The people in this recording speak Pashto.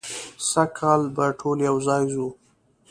سږ کال به ټول یو ځای ځو.